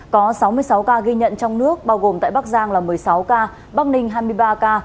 có sáu mươi sáu ca ghi nhận trong nước bao gồm tại bắc giang là một mươi sáu ca bắc ninh hai mươi ba ca